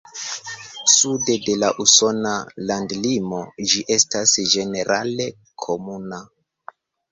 Sude de la usona landlimo ĝi estas ĝenerale komuna.